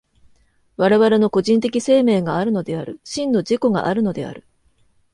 我々の個人的生命があるのである、真の自己があるのである。